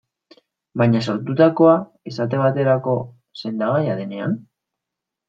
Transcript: Baina, sortutakoa, esate baterako, sendagaia denean?